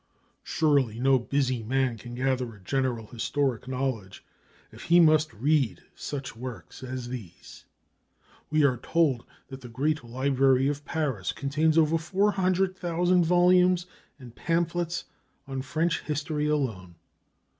Surely no busy man can gather a general historic knowledge, if he must read such works as these! We are told that the great library of Paris contains over four hundred thousand volumes and pamphlets on French history alone.